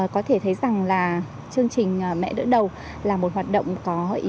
có thể thấy rằng là chương trình mẹ đỡ đầu là một hoạt động có ý nghĩa